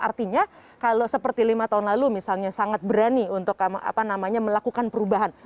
artinya kalau seperti lima tahun lalu misalnya sangat berani untuk melakukan perubahan